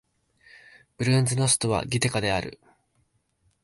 ブルンジの首都はギテガである